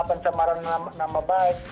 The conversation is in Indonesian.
pencemaran nama baik